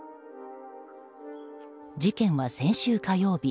事件は先週火曜日